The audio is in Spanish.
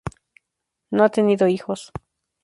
No ha tenido hijos.